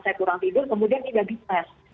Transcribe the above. saya kurang tidur kemudian tidak dites